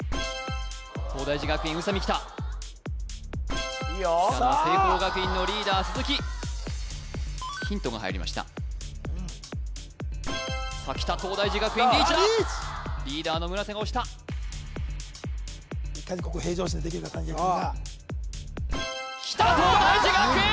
東大寺学園宇佐美きたきたのは聖光学院のリーダー鈴木ヒントが入りましたきた東大寺学園リーチだリーダーの村瀬が押したいかにここ平常心でできるそうきた東大寺学園！